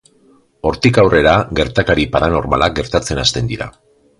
Hortik aurrera, gertakari paranormalak gertatzen hasten dira.